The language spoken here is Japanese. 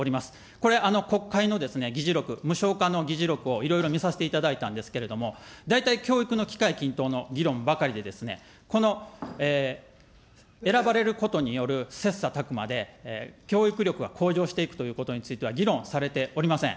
これ、国会のですね、議事録、無償化の議事録をいろいろ見させていただいたんですけれども、大体教育の機会均等の議論ばかりでですね、この選ばれることによる切さたく磨で教育力は向上していくということについては、議論されておりません。